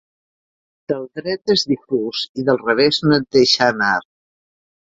Del dret és difús i del revés no et deixa anar.